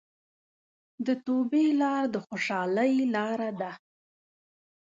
د توبې لار د خوشحالۍ لاره ده.